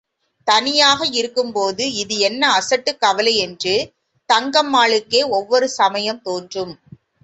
தனியாக இருக்கும்போது, இது என்ன அசட்டுக் கவலை என்று தங்கம்மாளுக்கே ஒவ்வொரு சமயம் தோன்றும்.